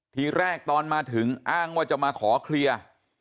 ทีแรกตอนมาถึงอ้างว่าจะมาขอเคลียร์